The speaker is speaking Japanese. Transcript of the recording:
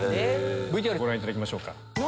ＶＴＲご覧いただきましょうか。